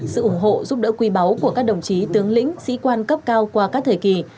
sự ủng hộ giúp đỡ quý báu của các đồng chí tướng lĩnh sĩ quan cấp cao qua các thời kỳ